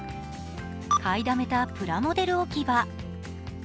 買いためたプラモデル置き場。